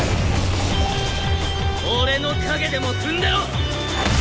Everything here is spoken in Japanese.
俺の影でも踏んでろ！